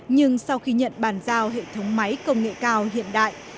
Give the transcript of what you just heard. nhưng sau khi nhận bàn giao hệ thống máy công nghệ cao hiện đại